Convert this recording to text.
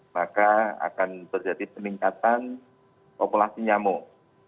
maka akan terjadi peningkatan populasi nyamuk